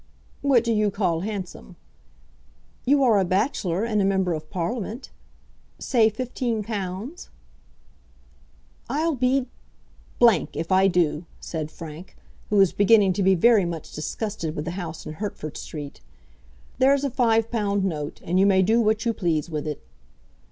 "What do you call handsome?" "You are a bachelor and a Member of Parliament. Say fifteen pounds." "I'll be if I do!" said Frank, who was beginning to be very much disgusted with the house in Hertford Street. "There's a five pound note, and you may do what you please with it."